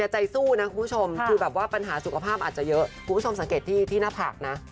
เป็นอย่างไงคะก็คือปัญหาสุขภาพอาจจะเยอะคุณผู้ชมสังเกตที่หน้าผลักนะ